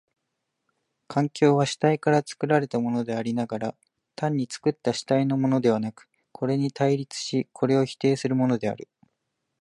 環境は主体から作られたものでありながら、単に作った主体のものではなく、これに対立しこれを否定するものである。